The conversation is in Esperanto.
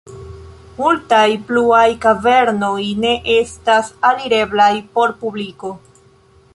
Multaj pluaj kavernoj ne estas alireblaj por publiko.